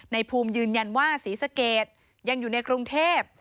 ในภูมิยืนยันว่าศรีสะเกดยังอยู่ในกรุงเทพ